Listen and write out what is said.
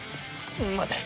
待て！